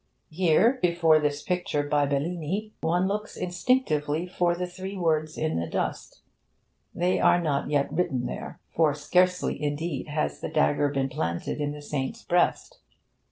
Here, before this picture by Bellini, one looks instinctively for the three words in the dust. They are not yet written there; for scarcely, indeed, has the dagger been planted in the Saint's breast.